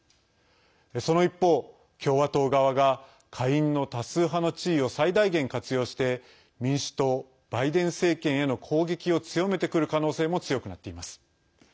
その一方、共和党側が下院の多数派の地位を最大限活用して民主党、バイデン政権への攻撃を強めてくる可能性も強くなっています。